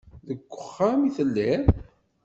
Deg uxxam i telliḍ.